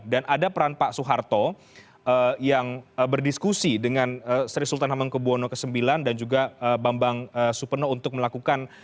dan ada peran pak soeharto yang berdiskusi dengan sri sultan hamengke buwono ix dan juga bambang supeno untuk melakukan